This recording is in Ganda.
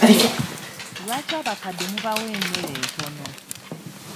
Lwaki abakadde mubawa emmere ntono?